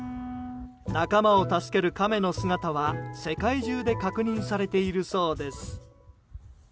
仲間を助けるカメの姿は世界中で確認されているそうです。